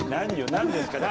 何ですか？